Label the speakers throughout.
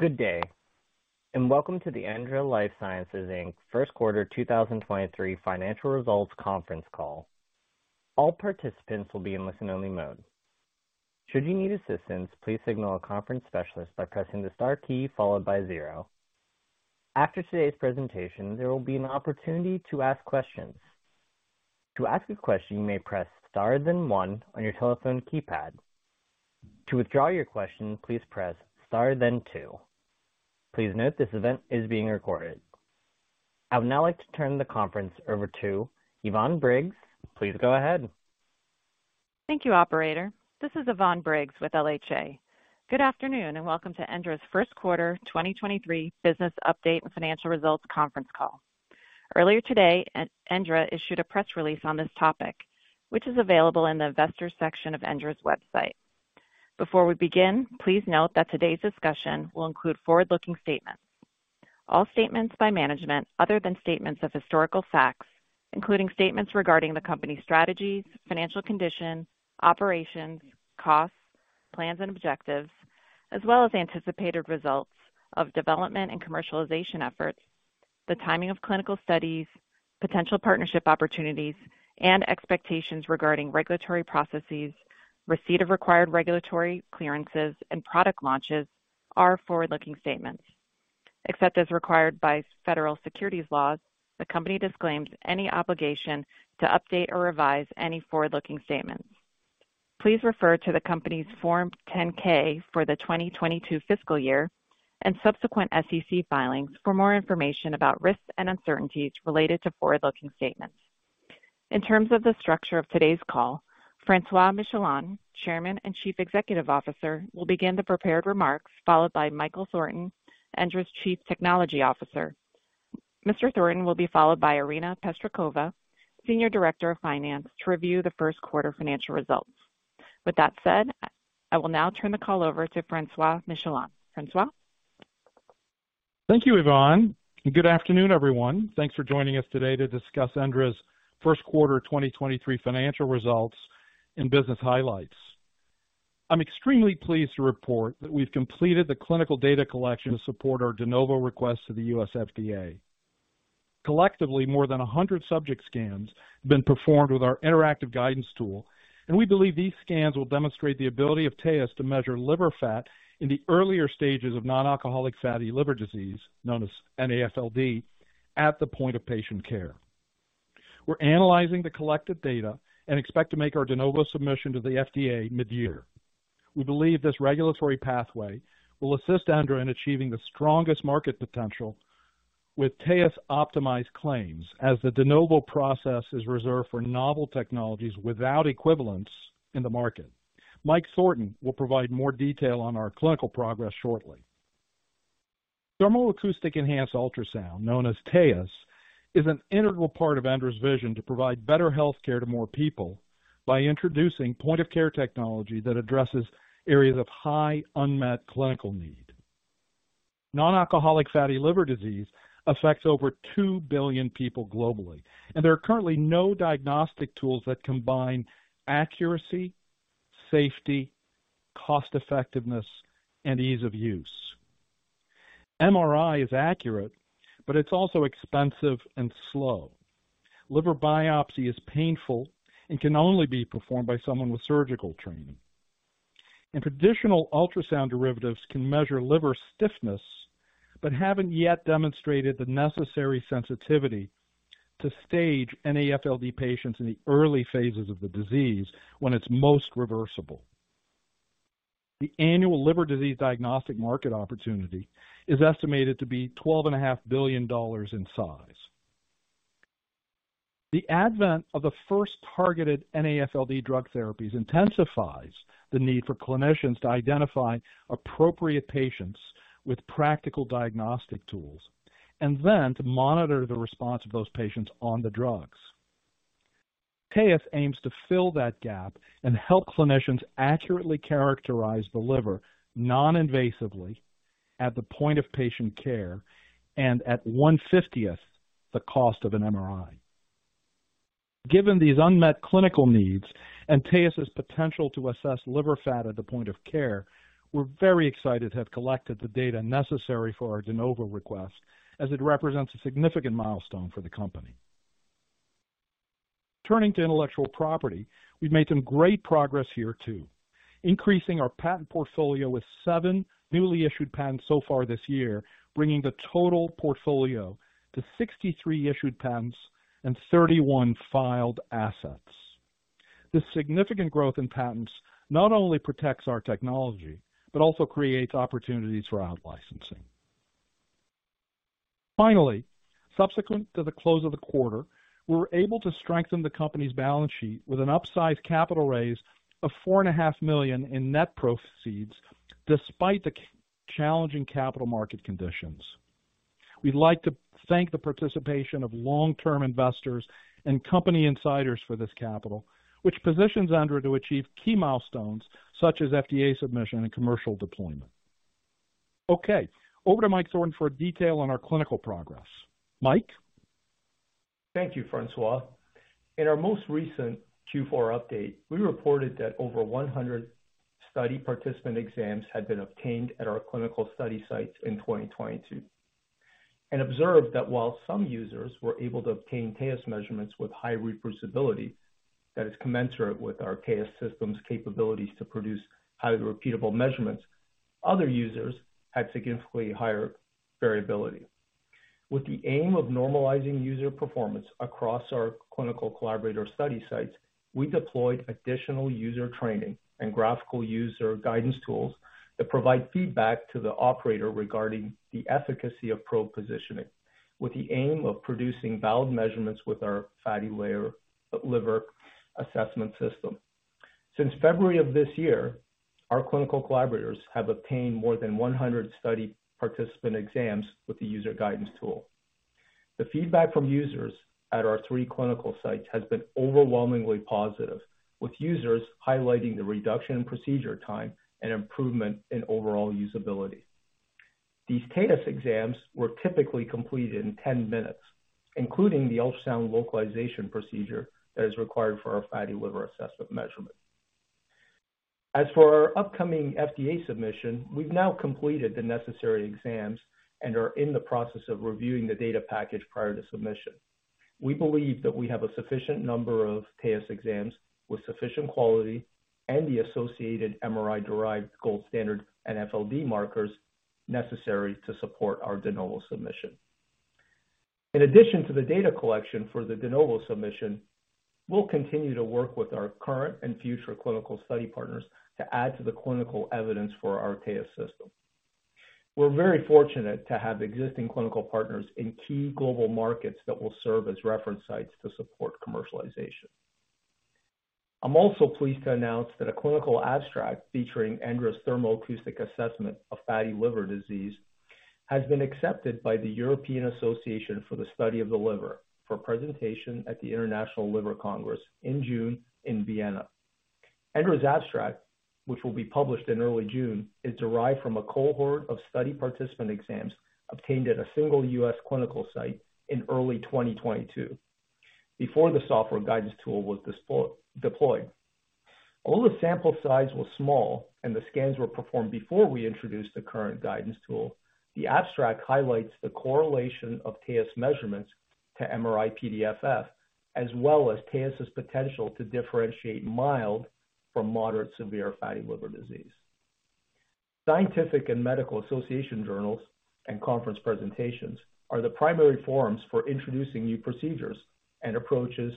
Speaker 1: Good day, welcome to the ENDRA Life Sciences Inc.'s first quarter 2023 financial results conference call. All participants will be in listen-only mode. Should you need assistance, please signal a conference specialist by pressing the star key followed by zero. After today's presentation, there will be an opportunity to ask questions. To ask a question, you may press star then one on your telephone keypad. To withdraw your question, please press star then two. Please note this event is being recorded. I would now like to turn the conference over to Yvonne Briggs. Please go ahead.
Speaker 2: Thank you, operator. This is Yvonne Briggs with LHA. Good afternoon, and welcome to ENDRA's first quarter 2023 business update and financial results conference call. Earlier today, ENDRA issued a press release on this topic, which is available in the investors section of ENDRA's website. Before we begin, please note that today's discussion will include forward-looking statements. All statements by management, other than statements of historical facts, including statements regarding the company's strategies, financial condition, operations, costs, plans and objectives, as well as anticipated results of development and commercialization efforts, the timing of clinical studies, potential partnership opportunities, and expectations regarding regulatory processes, receipt of required regulatory clearances and product launches are forward-looking statements. Except as required by federal securities laws, the company disclaims any obligation to update or revise any forward-looking statements. Please refer to the company's Form 10-K for the 2022 fiscal year and subsequent SEC filings for more information about risks and uncertainties related to forward-looking statements. In terms of the structure of today's call, Francois Michelon, Chairman and Chief Executive Officer, will begin the prepared remarks, followed by Michael Thornton, ENDRA's Chief Technology Officer. Mr. Thornton will be followed by Irina Pestrikova, Senior Director of Finance, to review the first quarter financial results. With that said, I will now turn the call over to Francois Michelon. Francois.
Speaker 3: Thank you, Yvonne. Good afternoon, everyone. Thanks for joining us today to discuss ENDRA's first quarter 2023 financial results and business highlights. I'm extremely pleased to report that we've completed the clinical data collection to support our De Novo request to the U.S. FDA. Collectively, more than 100 subject scans have been performed with our interactive guidance tool. We believe these scans will demonstrate the ability of TAEUS to measure liver fat in the earlier stages of non-alcoholic fatty liver disease, known as NAFLD, at the point of patient care. We're analyzing the collected data and expect to make our De Novo submission to the FDA mid-year. We believe this regulatory pathway will assist ENDRA in achieving the strongest market potential with TAEUS optimized claims, as the De Novo process is reserved for novel technologies without equivalents in the market. Mike Thornton will provide more detail on our clinical progress shortly. Thermo-Acoustic Enhanced Ultrasound, known as TAEUS, is an integral part of ENDRA's vision to provide better healthcare to more people by introducing point-of-care technology that addresses areas of high unmet clinical need. Non-alcoholic fatty liver disease affects over 2 billion people globally, and there are currently no diagnostic tools that combine accuracy, safety, cost-effectiveness, and ease of use. MRI is accurate, but it's also expensive and slow. Liver biopsy is painful and can only be performed by someone with surgical training. Traditional Ultrasound derivatives can measure liver stiffness, but haven't yet demonstrated the necessary sensitivity to stage NAFLD patients in the early phases of the disease when it's most reversible. The annual liver disease diagnostic market opportunity is estimated to $12.5 billion in size. The advent of the first targeted NAFLD drug therapies intensifies the need for clinicians to identify appropriate patients with practical diagnostic tools, and then to monitor the response of those patients on the drugs. TAEUS aims to fill that gap and help clinicians accurately characterize the liver non-invasively at the point of patient care and at 150th the cost of an MRI. Given these unmet clinical needs and TAEUS' potential to assess liver fat at the point of care, we're very excited to have collected the data necessary for our De Novo request as it represents a significant milestone for the company. Turning to intellectual property, we've made some great progress here too, increasing our patent portfolio with seven newly issued patents so far this year, bringing the total portfolio to 63 issued patents and 31 filed assets. This significant growth in patents not only protects our technology, but also creates opportunities for out licensing. Finally, subsequent to the close of the quarter, we were able to strengthen the company's balance sheet with an upsized capital raise of $4.5 million in net proceeds despite the challenging capital market conditions. We'd like to thank the participation of long-term investors and company insiders for this capital, which positions ENDRA to achieve key milestones such as FDA submission and commercial deployment. Okay, over to Mike Thornton for detail on our clinical progress. Mike?
Speaker 4: Thank you, Francois. In our most recent Q4 update, we reported that over 100 study participant exams had been obtained at our clinical study sites in 2022, and observed that while some users were able to obtain TAEUS measurements with high reproducibility that is commensurate with our TAEUS system's capabilities to produce highly repeatable measurements, other users had significantly higher variability. With the aim of normalizing user performance across our clinical collaborator study sites, we deployed additional user training and graphical user guidance tools that provide feedback to the operator regarding the efficacy of probe positioning, with the aim of producing valid measurements with our fatty liver assessment system. Since February of this year, our clinical collaborators have obtained more than 100 study participant exams with the user guidance tool. The feedback from users at our three clinical sites has been overwhelmingly positive, with users highlighting the reduction in procedure time and improvement in overall usability. These TAEUS exams were typically completed in 10 minutes, including the Ultrasound localization procedure that is required for our fatty liver assessment measurement. As for our upcoming FDA submission, we've now completed the necessary exams and are in the process of reviewing the data package prior to submission. We believe that we have a sufficient number of TAEUS exams with sufficient quality and the associated MRI-derived gold standard NAFLD markers necessary to support our De Novo submission. In addition to the data collection for the De Novo submission, we'll continue to work with our current and future clinical study partners to add to the clinical evidence for our TAEUS system. We're very fortunate to have existing clinical partners in key global markets that will serve as reference sites to support commercialization. I'm also pleased to announce that a clinical abstract featuring ENDRA's thermoacoustic assessment of fatty liver disease has been accepted by the European Association for the Study of the Liver for presentation at the International Liver Congress in June in Vienna. ENDRA's abstract, which will be published in early June, is derived from a cohort of study participant exams obtained at a single U.S. clinical site in early 2022 before the software guidance tool was deployed. All the sample size was small and the scans were performed before we introduced the current guidance tool. The abstract highlights the correlation of TAEUS measurements to MRI-PDFF, as well as TAEUS' potential to differentiate mild from moderate severe fatty liver disease. Scientific and medical association journals and conference presentations are the primary forums for introducing new procedures and approaches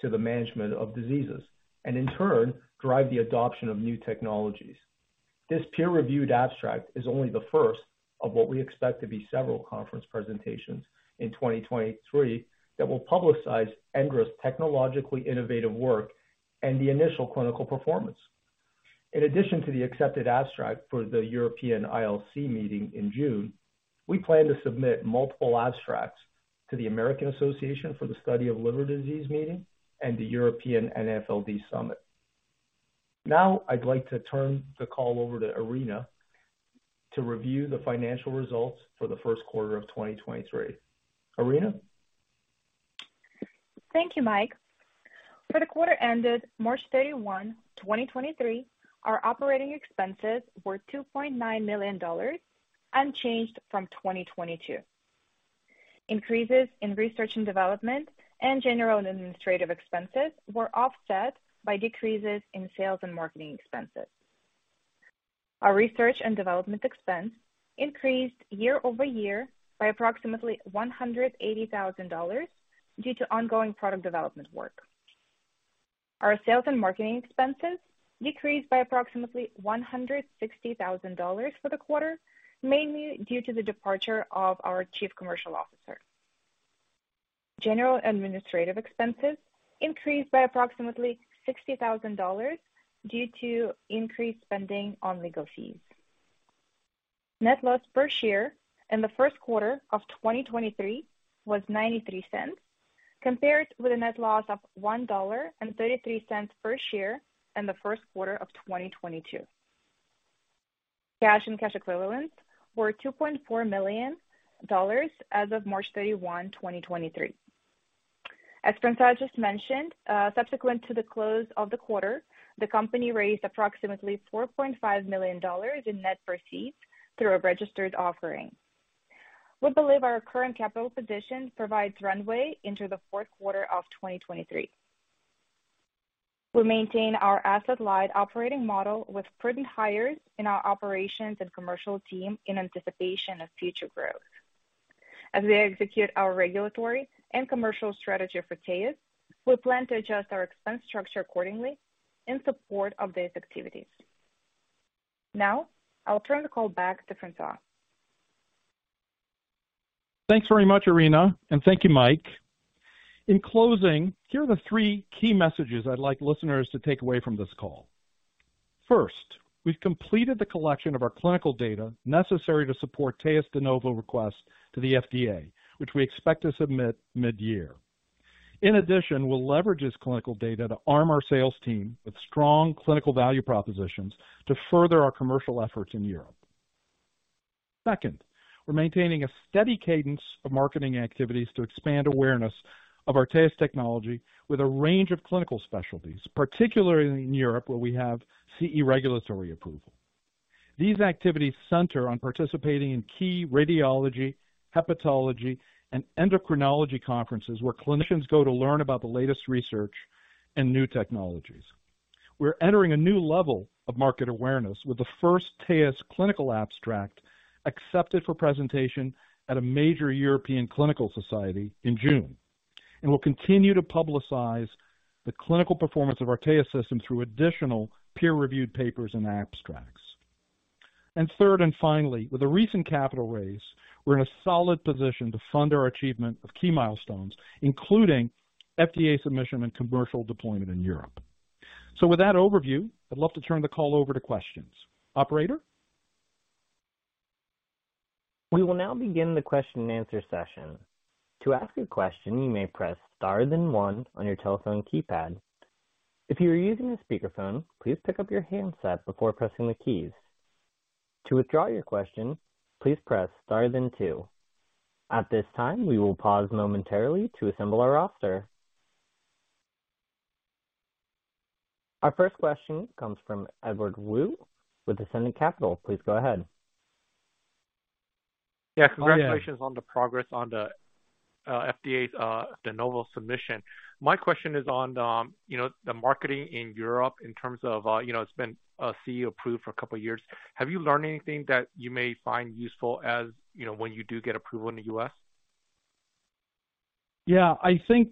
Speaker 4: to the management of diseases, and in turn, drive the adoption of new technologies. This peer-reviewed abstract is only the first of what we expect to be several conference presentations in 2023 that will publicize ENDRA's technologically innovative work and the initial clinical performance. In addition to the accepted abstract for the European ILC meeting in June, we plan to submit multiple abstracts to the American Association for the Study of Liver Diseases meeting and the European NAFLD Summit. I'd like to turn the call over to Irina to review the financial results for the first quarter of 2023. Irina.
Speaker 5: Thank you, Mike. For the quarter ended March 31, 2023, our operating expenses were $2.9 million, unchanged from 2022. Increases in research and development and general and administrative expenses were offset by decreases in sales and marketing expenses. Our research and development expense increased year-over-year by approximately $180,000 due to ongoing product development work. Our sales and marketing expenses decreased by approximately $160,000 for the quarter, mainly due to the departure of our Chief Commercial Officer. General administrative expenses increased by approximately $60,000 due to increased spending on legal fees. Net loss per share in the first quarter of 2023 was $0.93, compared with a net loss of $1.33 per share in the first quarter of 2022. Cash and cash equivalents were $2.4 million as of March 31, 2023. As Francois just mentioned, subsequent to the close of the quarter, the company raised approximately $4.5 million in net proceeds through a registered offering. We believe our current capital position provides runway into the fourth quarter of 2023. We maintain our asset light operating model with prudent hires in our operations and commercial team in anticipation of future growth. As we execute our regulatory and commercial strategy for TAEUS, we plan to adjust our expense structure accordingly in support of these activities. I'll turn the call back to Francois.
Speaker 4: Thanks very much, Irina, and thank you, Mike. In closing, here are the three key messages I'd like listeners to take away from this call. First, we've completed the collection of our clinical data necessary to support TAEUS De Novo request to the FDA, which we expect to submit mid-year. In addition, we'll leverage this clinical data to arm our sales team with strong clinical value propositions to further our commercial efforts in Europe.
Speaker 3: Second, we're maintaining a steady cadence of marketing activities to expand awareness of our TAEUS technology with a range of clinical specialties, particularly in Europe, where we have CE regulatory approval. These activities center on participating in key radiology, hepatology, and endocrinology conferences where clinicians go to learn about the latest research and new technologies. We're entering a new level of market awareness with the first TAEUS clinical abstract accepted for presentation at a major European clinical society in June. We'll continue to publicize the clinical performance of our TAEUS system through additional peer-reviewed papers and abstracts. Third, and finally, with the recent capital raise, we're in a solid position to fund our achievement of key milestones, including FDA submission and commercial deployment in Europe. With that overview, I'd love to turn the call over to questions. Operator?
Speaker 1: We will now begin the question-and-answer session. To ask a question, you may press star then one on your telephone keypad. If you are using a speakerphone, please pick up your handset before pressing the keys. To withdraw your question, please press star then two. At this time, we will pause momentarily to assemble our roster. Our first question comes from Edward Woo with Ascendiant Capital. Please go ahead.
Speaker 6: Yeah.
Speaker 3: Hi, Ed.
Speaker 6: Congratulations on the progress on the FDA's De Novo submission. My question is on the, you know, the marketing in Europe in terms of, you know, it's been CE approved for a couple of years. Have you learned anything that you may find useful as, you know, when you do get approval in the U.S.?
Speaker 3: Yeah. I think,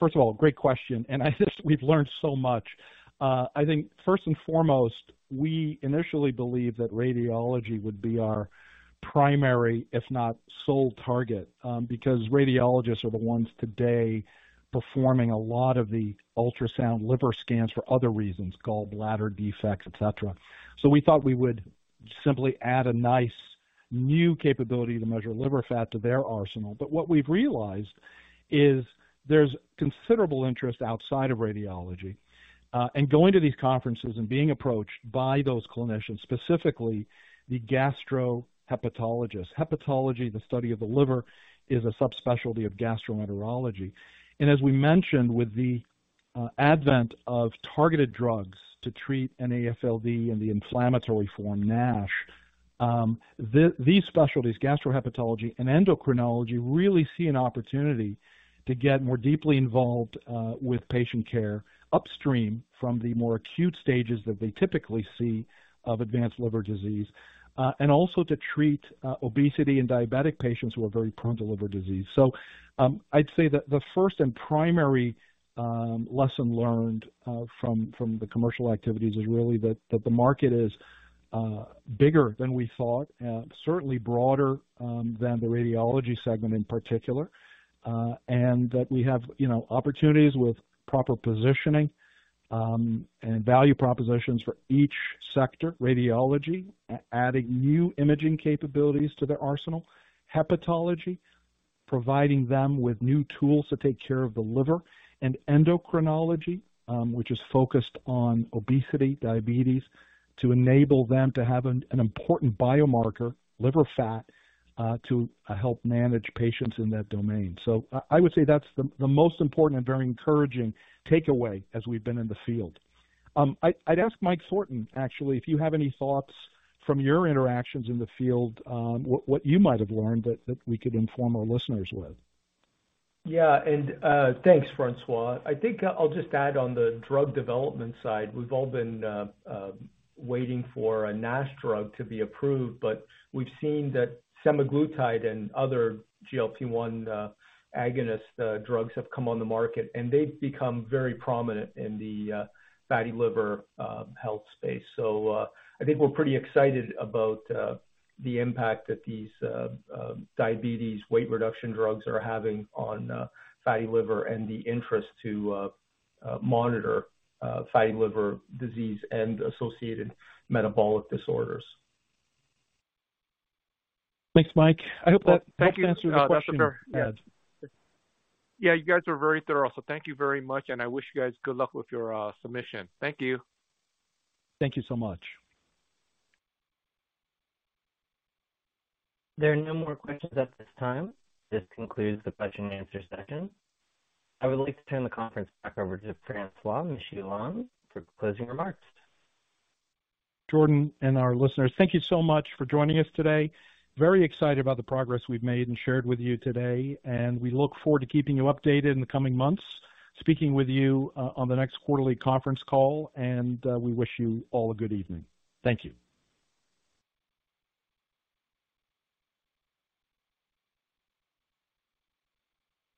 Speaker 3: first of all, great question. I think we've learned so much. I think first and foremost, we initially believed that radiology would be our primary, if not sole target, because radiologists are the ones today performing a lot of the Ultrasound liver scans for other reasons, gallbladder defects, et cetera. We thought we would simply add a nice new capability to measure liver fat to their arsenal. What we've realized is there's considerable interest outside of radiology, going to these conferences and being approached by those clinicians, specifically the gastro hepatologists. Hepatology, the study of the liver, is a subspecialty of gastroenterology. As we mentioned, with the advent of targeted drugs to treat NAFLD and the inflammatory form NASH, these specialties, gastro hepatology and endocrinology, really see an opportunity to get more deeply involved with patient care upstream from the more acute stages that they typically see of advanced liver disease, and also to treat obesity in diabetic patients who are very prone to liver disease. I'd say that the first and primary lesson learned from the commercial activities is really that the market is bigger than we thought and certainly broader than the radiology segment in particular. That we have, you know, opportunities with proper positioning and value propositions for each sector. Radiology, adding new imaging capabilities to their arsenal. Hepatology, providing them with new tools to take care of the liver. Endocrinology, which is focused on obesity, diabetes, to enable them to have an important biomarker, liver fat, to help manage patients in that domain. I would say that's the most important and very encouraging takeaway as we've been in the field. I'd ask Mike Thornton, actually, if you have any thoughts from your interactions in the field, what you might have learned that we could inform our listeners with?
Speaker 4: Thanks, Francois. I think I'll just add on the drug development side. We've all been waiting for a NASH drug to be approved, but we've seen that semaglutide and other GLP-1 agonist drugs have come on the market, and they've become very prominent in the fatty liver health space. I think we're pretty excited about the impact that these diabetes weight reduction drugs are having on fatty liver and the interest to monitor fatty liver disease and associated metabolic disorders.
Speaker 3: Thanks, Mike. I hope that helped answer the question, Ed.
Speaker 6: Thank you. That's for sure. Yeah, you guys are very thorough, so thank you very much. I wish you guys good luck with your submission. Thank you.
Speaker 3: Thank you so much.
Speaker 1: There are no more questions at this time. This concludes the question and answer session. I would like to turn the conference back over to Francois Michelon for closing remarks.
Speaker 3: Jordan and our listeners, thank you so much for joining us today. Very excited about the progress we've made and shared with you today, and we look forward to keeping you updated in the coming months, speaking with you on the next quarterly conference call, and we wish you all a good evening. Thank you.